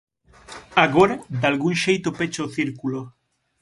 Agora dalgún xeito pecha o círculo.